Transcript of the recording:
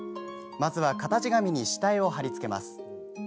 まずは、型地紙に下絵を貼り付けます。